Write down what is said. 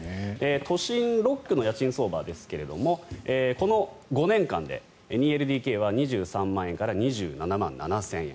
都心６区の家賃相場ですがこの５年間で２ＬＤＫは２３万円から２７万７０００円